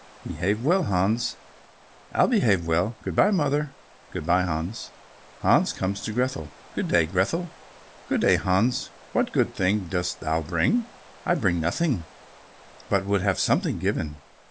"Behave well, Hans." "I'll behave well. Good bye, mother." "Good bye, Hans." Hans comes to Grethel. "Good day, Grethel." "Good day, Hans. What good thing dost thou bring?" "I bring nothing, but would have something given."